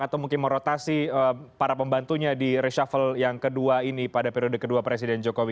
atau mungkin merotasi para pembantunya di reshuffle yang kedua ini pada periode kedua presiden jokowi